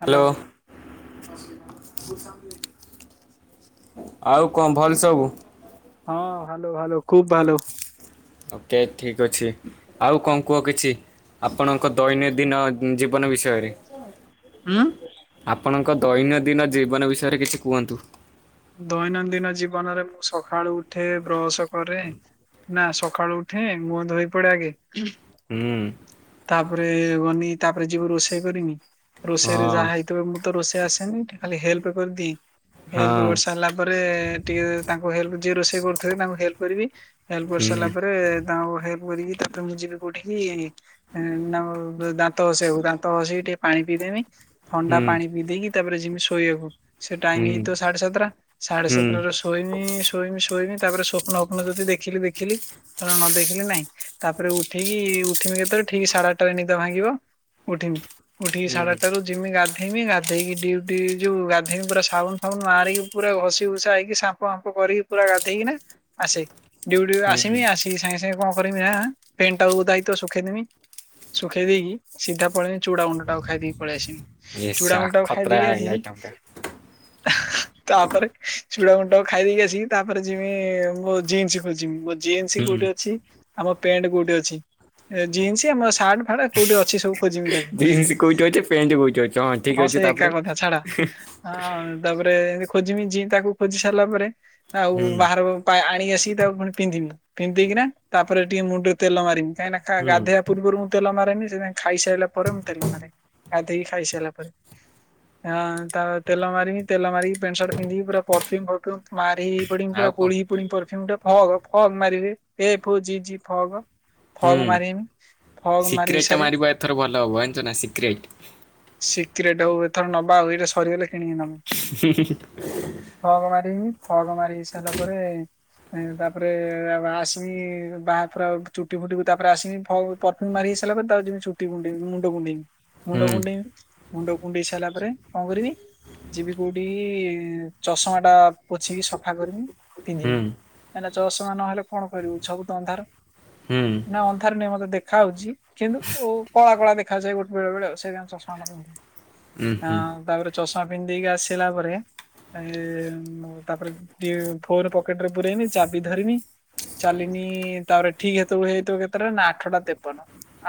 Hello. ଆଉ କଣ ଭଲ ସବୁ? ହଁ ଭାଲୋ ଭାଲୋ। ଓକେ ଠିକ ଠିକ ଅଛି ଆଉ କଣ କୁହ କିଛି ଆପଣଙ୍କ ଦୈନନ୍ଦିନ ଜୀବନ ବିଷେ ୟରେ। ହୁଁ ଆପଣଙ୍କ ଦୈନନ୍ଦିନ ଜୀବନ ବିଷୟରେ କିଛି କୁହନ୍ତୁ। ଦୈନନ୍ଦିନ ଜୀବନରେ ମୁଁ ସକାଳୁ ଉ ଉଠେ ବ୍ରଶ କରେ ନା ସକାଳୁ ଉଠେ ମୁହଁ ଧୋଇ ପଡେ ଆଗେ ହୁଁ। ତାପରେ ଗନି ତାପରେ ଯିବୁ ରୋଷେଇ କରିମି। ରୋଷେଇରେ ହଁ ଯାହା ହେଇଥିବ ମୁଁ ତ ରୋଷେଇ ଆସେନି ଖାଲି ହେଲ୍ପ ହେଲ୍ପ କରିଦିଏ। ହଁ ହେଲ୍ପ କରିସାରିଲା ପରେ ଟିକେ ତାଙ୍କୁ ଯିଏ ହେ୍ ଯେ କରୁଥିବେ ତାଙ୍କୁ ହେଲ୍ପ କରିବି। ହେଲ୍ପ ହୁଁ କରିସାରିଲା ପରେ ତାଙ୍କୁ ହେ କରିକି ତାପରେ ମୁଁ ଯିବି କଉଠିକି ଇ ତାଙ୍କ ଦାନ୍ତ ଘଷିବାକୁ। ଦାନ୍ତ ଘସିକି ଟିକେ ପାଣି ପିଇଦେମି ଥଣ୍ଡା ହୁଁ ପାଣି ପିଇ ଦେଇକି ତା ତାପରେ ଜୀମି ଶୋଇବାକୁ ସେ ଟାଇମ ହୁଁ ହେଇଥିବ ସାଢେ ସାତଟା ସାଢେ ହୁଁ ସାତଟାରୁ ସୋଇମି ଶୋଇମି ଶୋଇ ମି ତାପରେ ସ୍ଵ ଫପ୍ନ ଯଦି ଦେଖିଲି ଦେଖିଲି ନ ଦେଖିଲି ନାଇଁ ତାପରେ ଉଠିକି ଉଠୀ ତେବେଲେ ଠିକ୍ ସାଢେ ଆଠଟାରେ ନିଦ ଭାଙ୍ଗିବ। ଉଠିମି ଉଠିକି ସାଢେ ହୁଁ ଆଠଟାରୁ ଜିମି ଗାଧେଇମି ଗାଧେ ଧେଇକି ଡିଉଟି ଏ ଯୋଉ ଗାଧେଇମୀ ପୁରା ସାବୁନ ଫାବୁନ ମାରିକି ପୁରା ଘଷି ଘୁଷା ହେଇକି ସାମ୍ପ ଫାମ୍ପ କରିକି ପୁରା ଗାଧେଇକିନା ଆସେ। ଡିଉଟିରୁ ହୁଁ ଆସିମୀ ଆସିକି ସାଙ୍ଗେ ସାଙ୍ଗେ କଣ କରିବିନା ପେଣ୍ଟଟାକୁ ଓଦା ହେଇଥୀ ଶୁଖେଇଦେମି ଶୁଖେଇ ଦେଇକି ସିଧା ପଳେଇମୀ ଚୁଡା ଗୁଣ୍ଡ ଟାକୁ ଖାଇଦେଇକି ପଳେଇଆସିମୀ। ଚୁଡ଼ା ଏସା ଗୁଣ୍ଡଟାକୁ ଖତରା ଖାଇଦେଇକି ଆସିକି ଆଇଟମ ଟା ହା ତାପରେ ଚୁଡା ଗୁଣ୍ଡ ଖାଇ ଦେଇକି ଆସିକି ତାପରେ ଯିମି ମୋ ଜିନ୍ସ ଖୋଜିବି ମୋ ଜିନ୍ସ ହୁଁ କୋଉଠି ଅଛି ଆମ ପ୍ୟାଣ୍ଟ କୋଉଠି ଅଛି ଜିନ୍ସ ଆମ ସାର୍ଟ ଫାଟ କୋଉଠି ଅଛି ସବୁ ଖୋଜିମି ତାକୁ ଜିନ୍ସ କୋଉଠି ଅଛି ପ୍ୟାଣ୍ଟ କୋଉଠି ଅଛି ଠିକ ହଁ ଅଛି ସେ ଏକା ତାପରେ କଥା ଛାଡ ଆଁ ତାପରେ ଖୋଜିମି ଯି ତାକୁ ଖୋଜି ସାରିଲା ପରେ ଆଉ ହୁଁ ବାହାର ପାଇଁ ଆଇ ନେଇ ଆସିକି ତାକୁ ପୁଣି ପିନ୍ଧିବି, ପିନ୍ଧିକିନା ତାପରେ ଟିକେ ମୁଣ୍ଡରେ ତେଲ ମାରିବି। କାଇଁନା ଖା ହୁଁ ଗାଧେଇବା ପୂର୍ବରୁ ମୁଁ ତେଲ ମାରେନି ସେଥପାଇଁ ଖାଇ ସାରିଲା ପରେ ମୁଁ ତେଲ ମାରେ ଗାଧେଇ ଖାଇ ସାରିଲା ପରେ। ହଁ ତ ତେଲ ମାରିନି ତେଲ ମାରିକି ପେଣ୍ଟ ସାର୍ଟ ପିନ୍ଧି ପୁର ପରଫ୍ୟୁମ୍ ମାରି ହେଇ ପଡି ଆଉ ପୁରା କଣ ବୋଳି ହେଇ ପଡିମି ପରଫ୍ୟୁମ ଟା। ଫଗ୍ ଫଗ୍ ମାରି ହୁଏ F O G G Fogg. ହୁଁ ଫଗ ମାରିମି ଫଗ ମାରି ସିକ୍ରେଟ ଟା ସାରେ ମାରିବ ଏଥର ଭଲ ହବ ଜାଣିଛ ନା ସିକ୍ରେଟ। ସିକ୍ରେଟ ହଉ ଏଥର ନବା ଆଉ ଏଇଟା ସରିଗଲେ କିଣିକି ନବ। [unintelligible] ହଉ। ଫଗ ମାରି ହେଇ ସାରିଲା ପରେ ତାପରେ ଆଉ ଆସିବି ବାହା ପ ଚୁଟି ଫୁଟି ତାପରେ ଆସିବି ପରଫ୍ୟୁମ ମାରି ହେଇ ସରିଲା ପରେ ତାପରେ ଯିବି ଚୁଟି କୁଣ୍ଡେଇବି ମୁଣ୍ଡ କୁଣ୍ଡେଇବି। ମୁଣ୍ଡ ହୁଁ କୁଣ୍ଡେଇବି, ମୁଣ୍ଡ କୁଣ୍ଡେଇ ସାରିଲା ପରେ କଣ କରିବି ଯିବି କୋଉଠିକି ଚଷମାଟା ପୋଛିକି ସଫା କରମି ପିନ୍ଧିମି। ହୁଁ କାଇଁନା ଚଷମା ନହେଲେ କଣ କରିବୁ ସବୁ ତ ଅନ୍ଧାର। ହୁଁ ନା ଅନ୍ଧାର ନେଇଁ ମତେ ଦେଖା ହାଉଛି କିନ୍ତୁ ଓ କଳା କଳା ଦେଖାଯାଏ ଗୋଟ ବେଳେବେଳେ ଆଉ, ସେଥପାଇଁ ଚଷମା ହଁ ଉଁ ହୁଁ ତାପରେ ଚଷମା ପିନ୍ଧିକି ଆସିଲା ପରେ ଏଇ ଉଁ ତାପରେ ଫୋନ ପକେଟରେ ପରେଇମି ଚାବି ଧରିମି ଚାଲିନି ତାପରେ ଠିକ ସେତେବେଳକୁ ହେଇଥିବ କେତେଟା ନା ଆଠଟା ତେପନ।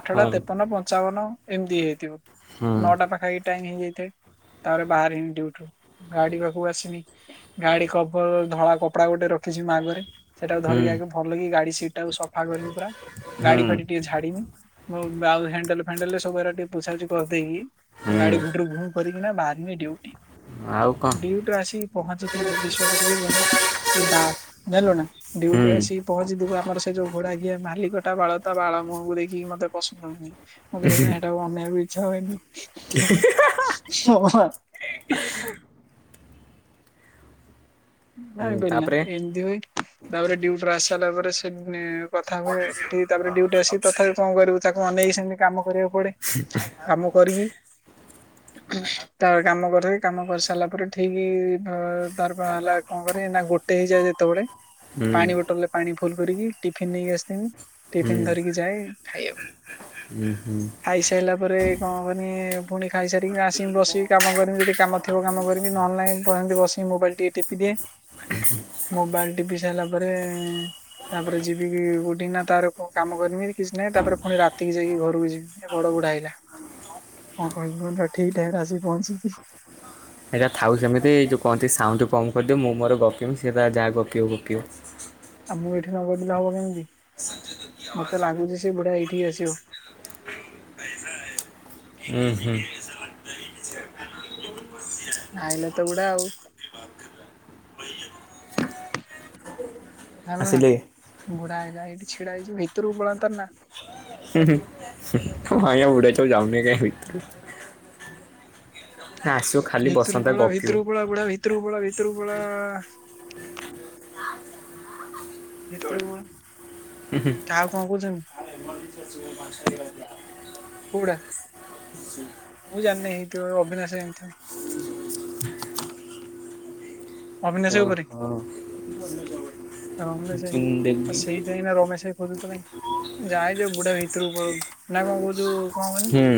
ଆଠଟା ହଁ ତେପନ, ପଞ୍ଚାବନ ଏମତି ହେଇଥିବ। ହୁଁ ନଅଟା ପାଖା ପାଖି ଟାଇମ ହେଇ ଯାଇଥାଏ ତାପରେ ବାହାରିମି ଡ୍ୟୁଟିରୁ। ଗାଡି ପାଖକୁ ଆସିମି ଗାଡି କଭର ଧଳା କପଡା ଗୋଟେ ରଖିଛି ମୋ ଆଗରେ ସେଟାକୁ ଧ ହୁଁ ରିକି ଆଗ ଭଲ କି ଗାଡି ସିଟ୍ ଟା ସଫା କରିବି ପୁରା ହୁଁ ଗାଡି ଫାଡି ଟିକେ ଝାଡିମି। ଆଉ ଆଉ ହେଣ୍ଡଲ ଫେଣ୍ଡଲ ସବୁ ହେରା ଟିକେ ପୋଛା ପୋଛି କରିଦେଇକି ହୁଁ ଗାଡି ଘୁଟରୁ ଘୁଁ କରିକିନା ବାହାରିନି ଡ୍ୟୁଟି। ଆଉ କଁ ଡ୍ୟୁଟିରୁ ଆସିକି [unintelligible] ହୁଁ ଡ୍ୟୁଟିରୁ ଆସି ପ ଆମର ସେ ଯୋଉ ଘୋଡାଘିଆଁ ମାଲିକଟା ବାଳ ତା ବାଳ ମୁହଁକୁ ଦେଖିକି ମତେ ପସନ୍ଦ ନୁହେଁ, ମତେ ସେଥିପାଇଁ ସେଇଟାକୁ ଅନେଇଆକୁ ଇଚ୍ଛା ହୁଏନି [unintelligible] ଜାଣି ହୁଁ ପାଇଲ ତାପରେ ହୁଁ ଏମତି ହଉଚି ତାପରେ ଡ୍ୟୁଟିରୁ ଆସି ସାରିଲା ପରେ ସେ ମେଁ କଥା ହୁଏ, ଏଠି ତାପରେ ଡୁଟି ଆସିକି ତଥାପି କଣ କରିବୁ ତା କୁ ଅନେଇକି ସେମିତି କାମ କରିବାକୁ ପଡେ, କାମ କରିକି ତାପରେ କାମ କରିି କାମ କରିସାରିଲା ପରେ ଠିକ ତାର ହେଲା କଣ କରିବି ନା ଗୋଟେ ହେଇଯାଏ ଯେତେବେଳେ ହୁଁ ପାଣି ବୋଟଲ ରେ ପାଣି ଫୁଲ କରିବି ଟିଫିନ ନେଇକି ଆସଥିମି ଟିଫିନ ଧରିକି ଯାଏ ଖାଇଆକୁ। ଉଁ। ଖାଇ ସାଇଲା ପରେ କଣ କରନି ପୁଣି ଖାଇ ସାରିକି ଆସିମି ବସିବି କାମ କରମି ଯଦି କାମ ଥିବ କାମ କରିବି ନହେଲେ ନାଇଁ ସେମତି ବସିକି ମୋବାଇଲ ଟିକେ ଟିପି ଦିଏ। ହୁଁ ହୁଁ ମୋବାଇଲ ଟିପି ସାଇଲା ପରେ ତାପରେ ଯିବି କୋଉଠି କି ନା ତାର କଣ କାମ କରିମି କିଛି ନାହିଁ, ତାପରେ ପୁଣି ରାତିକି ଯାଇକି ଘରକୁ ଯିବି। ବଡ ବୁଢ଼ା ଆଇଲା କଣ କହିବୁ କହିଲୁ ସେ ଠିକ ଟାଇମରେ ଆସିିକି ପହଞ୍ଚିଛି। ଏଇଟା ଥାଉ ସେମିତି ଯୋଉ କହୁଚି ସାଉଣ୍ଡ କମୁ। କରିଦିଅ ମୁଁ ମୋର ଗପିମି, ସେ ତାର ଯାହା ଗପି ହେଉ ଗପି ହେଉ। ଆଉ ମୁଁ ଏଠି ନ ଗପିଲେ ହବ କେମିତି? ମତେ ଲାଗୁଛି ସେ ବୁଢା ଏଇଠିକି ଆସିବ। କଇସା ଆଇଲେ ତ ବୁଢା ଆଉ ଆଣିଲୁ ନା ଆସିଲେ ବୁଢା ହେଠି ଛିଡା ହେଇଛି ଭିତରକୁ ପଳନ୍ତାର ନା ହୁଁ ହୁଁ ମା! ବୁଢ଼ା ଯାଉନି କାଇ ବେ ଭିତରୁ ବସନ୍ତା ପଳା ଗପିବ ପଳା ବୁଢା ଭିତରୁ ପଳା ଭିତରକୁ ପଳା ଭିତରକୁ ପଳା [unintelligible] କାହାକୁ କଣ କହୁଛନ୍ତି? ହଁ [unintelligible] କୋଉଡ଼ା? ମୁଁ ଜାଣିନି ହେଇଥିବ ଅଭିନାଶ ଭାଇ ଆଣିଥିବ। [unintelligible] [inaudible] ଓହୋ। [inaudible] ରମେଶ ଚିନ ଇାଇ ଦେବି ସେଇ ତ ଏଇନା ରମେଶାଇ ଖୋଜୁଥିଲା କି ଯାଏଁ ଯେ ବୁଢା ଭିତୁରୁକୁ ପଲୋଉ ନା କଣ କୋହୁଚୁ କଣ କହନି? ହୁଁ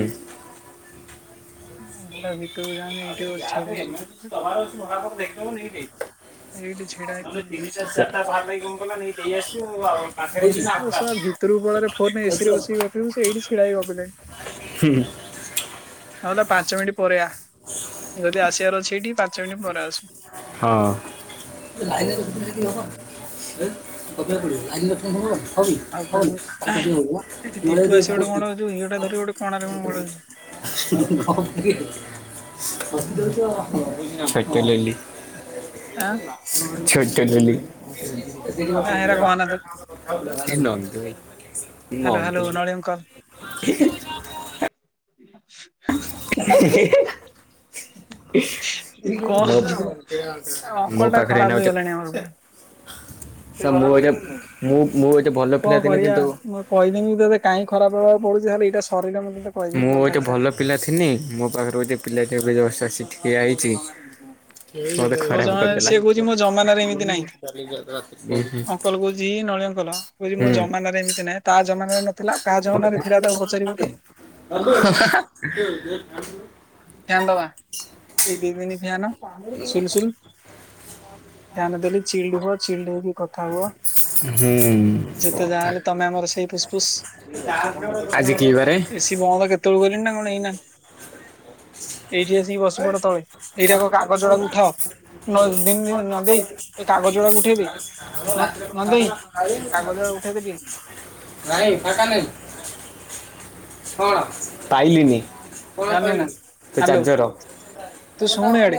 ଭିତରକୁ ଯାଉନି ଏଇଠି ବ! ଦେଖୁବୁନି ଏଇଠି [unintelligible] ଏଇଠି ଛିଡ଼ା ହେଇକି [unintelligible] [unintelligible] ଆବେ! ଭିତରକୁଳରେ ଫୋନରେ ଏ ସି ରେ ବସିକି ଗପିବୁ ସିଏ ଏଇଠି ଛିଡ଼ାହେଇକି ଗପିଲାଣି। ହୁଁ ହୁଁ। ନହେଲେ ପାଞ୍ଚ ମିନିଟ୍ ପରେ ଆ। ଯଦି ଆସିବାର ଅଛି ଏଇଠିକି ପାଞ୍ଚ ମିନିଟ ପରେ ଆସେ। ହଁ। [unintelligible] ଆଉ [unintelligible] କଣରୁ ମୁଁ ପଳାଉଚି। [inaudible] ହୁଁ ହୁଁ କଣ କି ବେ [unintelligible] ଆ [unintelligible] [unintelligible] ଏଇ ନନ୍ଦୁ ଭାଇ hello hello Nalini Nandu call. ଭାଇ [inaudible] [unintelligible] [unintelligible] ହ [unintelligible] ମୋ [inaudible] ମୋ ଟା ପାଖରେ ଖରାପ ଏନା ଗୋଟେ ହେଇଗଲାଣି ଆମର ପୁରା। [inaudible] ସାର୍ ମୁଁ କଣ ଗୋଟେ ମୁଁ ମୁଁ ଗୋଟେ ଭଲ ପିଲା ଥିଲି କରିବା କିନ୍ତୁ ମୁଁ କହିଦେମି ତତେ କାଇଁ ଖରାପ ହେବାକୁ ପ୍ ପଡୁଚି ଖାଲି ଏଇଟା ସ ମୁଁ ଗୋଟେ ଭଲ ପିଲା ଥିନି। ମୋ ପାଖରେ ଗୋଟେ ପିଲାଟି ଜଷ୍ଟ ଏଠି ଠିଆ ହେଇଚି। ମତେ ତ ଖରାପ ଜଣେ କରିଦେଲା [inaudible] ସିଏ କହୁଛି ମୋ ଜମାନାରେ ଏମିତି ନାହିଁ ଅଙ୍କଲ କହୁଚି? ନଳିୀଙ୍କଲ କହୁଚି ମୋ ହୁଁ ଜମାନାରେ ଏମିତି ନାହିଁ। ତା ଜମାନାରେ ନଥିଲା ତାହେଲେ ଆଉ କାହା ହୁଁ ଜମାନ ଥିଲା ତାକୁ ପଚାରିବୁ ତ [unintelligible] ଫ୍ୟାନ ଦବା ଏଇ ଦିଇ ଦିନ ଫ୍ୟାନ ସୁଲ ସୁଲ ଫ୍ୟାନ ଦେଲି ଚିଲ୍ଡ ହୁଅ ଚିଲଦେ ହେଇକି କଥା ହୁଅ। ହୁଁ ଯେତେ ଯାହା କଥା ହେଲେ ତମେ ଆମର ସେଇ ଫୁସଫୁସ୍ [inaudible] ଆଜି କିି ବାରେ [inaudible] ଏସି ବନ୍ଦ କେତେବେଳୁ କଲିଣି ନା କଣ ଏଇନା ଏଇଠି ଆସିକି ବସି ପଡ ତଳେ ଏଇଟାକ କାଗଜ ଗୁଡାକ ଉଠାଅ ନ ଦିନ ନ ଦେଇ [unintelligible] ଏ କାଗଜ ଗୁଡାକ ଉଠେଇଦେ ନ ନନ୍ଦେଇ କାଗଜ ଉଠେଇଦେବି [unintelligible] ନାଇଁ ଫାଟା ନେଇ। ହ [unintelligible] କଣ? ପାଇଲିିନି। କଣ ଜାଣିଲୁ ନା ପାଇଲୁନି? ସେ ହାଲୋ ଚାର୍ଜର। ତୁ ଶୁଣୁ ଇଆଡେ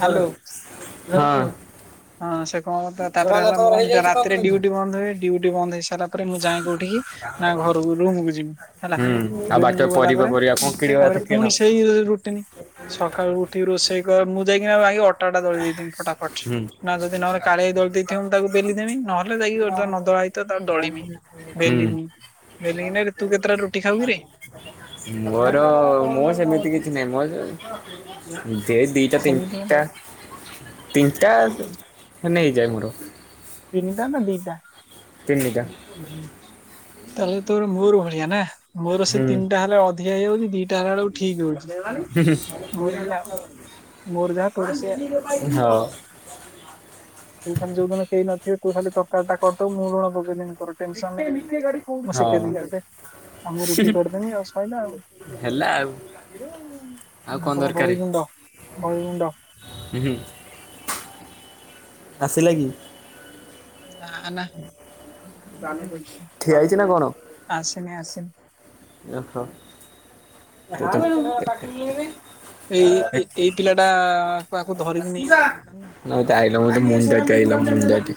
ହାଲୋ ହଁ ସେ କଣ? ତାପରେ ହେଲା ମୁଁ କ ହେଇଯାଇଛି କଣ ରାତିରେ କେମିତି ଡ୍ୟଉଟି ବନ୍ଦ ହୁଏ। ଡିୁଟି ବନ୍ଦ ହେଇ ସାରିଲା ପରେ ମୁଁ ଯାଏ କୋଉଠିକି? ନା ଘରକୁ ରୁମକୁ ଯିମି ହେଲା। ହୁଁ ଆଉ ବାଟ ରୁମକୁୁ ଗଲା ପରିବା ପରେ ପରିବା କଣ କିଣିବା ତାପରେ କଥା କିଣ ପୁଣି ସେଇ ରୁଟିନି ସକାଳୁ ଉଠିକି ରୋଷେଇ କ ମୁଁ ଯାଇକିନା ମା ଅ ଟା ଦଳି ଦେଇିଥିଵି ଫଟା ଫଟ ହୁଁ ନା ଯଦି ନହେ କାଳିଆ ଦଳି ଦେଇଥିବ ମୁଁ ତାକୁ ଵେଲିଦେଵି ନହେଲେ ଯାଇକି ନଦଳା ସହିତ ତାକୁ ଦଳିମି ହୁଁ ବେଲିମି ବେଲିମି ନାଇ ରେ ତୁ କେତେ ଟା ରୁଟି ଖାଉକି ରେ। ମୋର ମୁଁ ସେମିତି କିଛି ନାହିଁ ମୋ। ଦେ ଦିଟା ସେମିତି ତିନିଟା ତିନିଟା ହେ ନେଇଯାଏ ମୋର। ତିନିଟା ନା ଦିଟା। ତିନିଟା। ତାହେଲେ ତୋ ମୋର ଭଳିଆ ନା ମୋର ସେ ହୁଁ ତିନିଟା ହେଲେ ଅଧିକ ହେଇଯାଉଛି ଦି ଟା ହେଲା ବେଳକୁ ଠିକ ହଉଛି। ମୋର ବି ଯାହା ମୋର ଯାହା ତୋର ହଁ ସେୟା। ତୁ ଖାଲି ଯଉ ଦିନ କେହି ନ ଥିବ ତୁ ଖାଲି ତରକାରୀ ଟା କରିଦବୁ ମୁଁ ଲୁଣ ପକେଇଦେମୀ ତୋର ଟେନସନ୍। ମୁଁ ହଁ ଶିଖେଇ ଦେମୀ ପା ତତେ ଆଉ ମୁଁ ରୁଟି କରିଦେମି ଆଉ ସଇଲା ଆଉ। ହେଲା ଆଉ ଆଉ କଣ ନବମ ଦରକାର ବହି ଗୁଣ୍ଡ ବହି ଗୁଣ୍ଡ। ଆସିଲା କି। ନା ଠିଆ ହେଇଛି ନା ନା କଣ? ଆସିନି ଆସନି। ଓହୋ। ଏଇ ଏ-ଏ-ଏଇ ପିଲା ଟା କୁ ଆକୁ ଧରିକି ନେଇ ଯାଇ ପାରୁନ। ନାଇ ତ ଆଇଲ ମୋର ତ ମୁଣ୍ଡ ଖାଇଲ ମୁଣ୍ଡ ଟି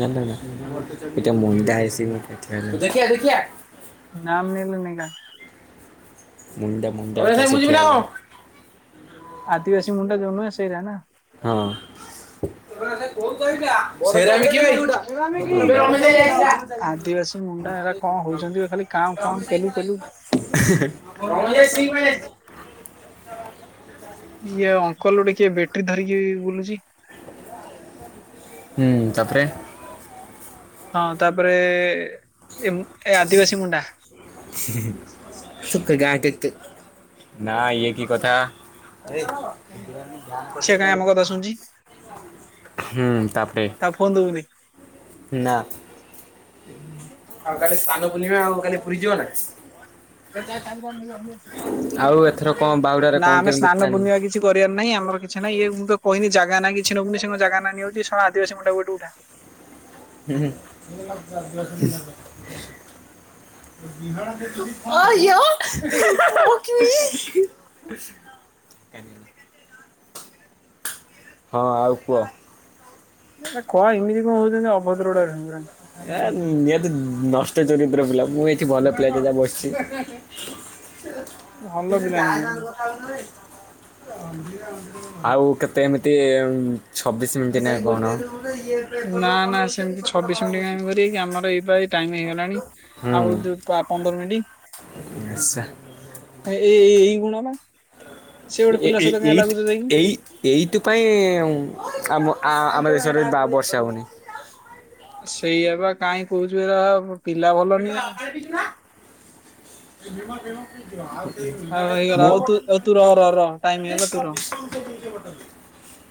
ନା ନା ନା। ଏଇଟା ମୁଣ୍ଡା ହେଶି। [unintelligible] ନାମ ନେଲେ ନେଗା ମୁଣ୍ଡ ମୁଣ୍ଡ। [inaudible] ଆଦିିବାସୀ ମୁଣ୍ଡା ଯୋଉ ନୁହେଁ ସେଇରା ନା। କଉ ଜରି ଆଦିବାସୀ ମୁଣ୍ଡା ଏରା କଣ ହଉଛନ୍ତି ଖାଲି କାଉଁ କାଉଁ ଟା। କେଲୁ କେଲୁ [inaudible] [inaudible] ଇଏ ଅଙ୍କଲ ଗୋଟେ କିଏ ବେଟେରୀ ଧରିକି ବୁଲୁଛି। ହୁଁ ତାପରେ। ହଁ ତାପରେ ଏମ ଏ ଆଦିବାସୀ ମୁଣ୍ଡା। ସୁଖ ଗାଁ କେ କେ ନା ଇଏ କି କଥା। [inaudible] ସିଏ କାହିଁ ଆମ କଥା ଶୁଣୁଛି ହୁଁ ତାପରେ ତା ଫୋନ ଦବୁନି। ନା। ଆଉ କାଲି ସ୍ନାନ ପୁର୍ଣ୍ଣିମା ଆଉ କାଲି ପୁରୀ ଯିବ ନା? ଆଉ ଏଥର କଣ ବାହୁଡାରେ ନା କଣ ଆମେ କେମିତି ସ୍ନାନ ପ୍ଲାନିଂ? ପୂର୍ଣ୍ଣିମା କିଛି କରିବାର ନାହିଁ ଆ ର କିଛି ନାହିଁ ଇଏ ମୁଁ ତ କହିନି ଜାଗା ନା କିଛି ନବୁନି ସେ କଣ ଜାଗା ନା ନେଉଚି! ! ! ! ! ! ! ! ! ! ଆଦିବାସୀ ମୁଣ୍ଡା କୁ ଏଠୁ ଉଠା। [inaudible] [inaudible] [inaudible] ହଁ ଆଉ କୁହ। କ ଏମିତି ହଉ ଏ ନିହାତି ନଷ ଟ ଚରିତ୍ର ପିଲା ମୁଁ ଏଠି ଭଲ ପିଲା ଟେ ଯା ବସିଛି। ଭଲ କିନ୍ତୁ ପିଲା ତା ସାଙ୍ଗରେ ନୁହଁ। କଥା ହଉଚୁ ନା ନାଇ। ଆଉ କେତେ ଏମିତି ଛବିଶ ମିନିଟ ନ କଣ? ନା ନା ସେମିତି ଛବିଶ ମିନିଟ କାହିଁକି କରିବା କି ଆମର ଏଇ ପା ଏଇ ଟାଇମ ହେଇଗଲାଣି ଆଉ ଯଉ ପ-ପନ୍ଦର ମିନିଟ୍। ଆଚ୍ଛା ହେ ଏ-ଏ-ଏଇ ଗୁଣା ପା। ଏ-ଏ-ଏଇ ଏଇଥ ଏଇ ଏଇଥି ପାଇଁ ଉଁ ଆମ ଆ ଆ-ଆମ ଦେଶରେ ବା ବର୍ଷା ହଉନି। ସେଇଆ ବା କାହିଁ କହୁଛୁ ଏରା ପିଲା ଭଲ ନିଏ। ଆଉ ହେଇଗଲା ଆଉ ତୁ [inaudible] ଆଉ ତୁ ରହ ରହ ରହ ଟାଇମ ହେଇଗଲା ତୁ ରହ। ମୋ।